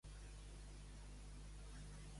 Què explica la Völuspá?